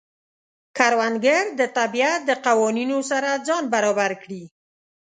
کروندګر د طبیعت د قوانینو سره ځان برابر کړي